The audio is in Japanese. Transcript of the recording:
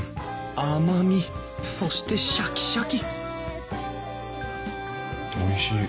甘みそしてシャキシャキおいしい。